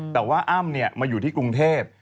แต่ว่าอ้ำมาอยู่ที่กรุงเทพ